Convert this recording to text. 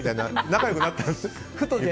仲良くなったんですね。